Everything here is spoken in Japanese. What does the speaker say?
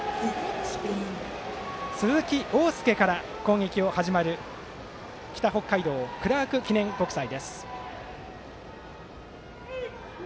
鈴木凰介から攻撃が始まる北北海道・クラーク記念国際。